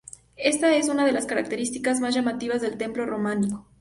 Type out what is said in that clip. Esta es una de las características más llamativas del templo románico.